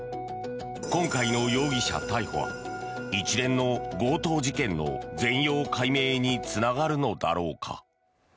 今回の容疑者逮捕は一連の強盗事件の全容解明につながるのだろうか。